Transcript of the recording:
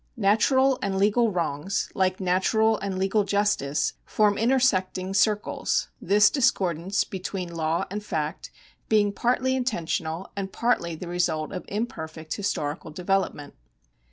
Natural and legal 179 180 LEGAL RIGHTS [§70 wrongs, like natural and legal justice, form intersecting circles, this discordance between law and fact being partly inten tional and partly tile result of imperfect historical develop ment.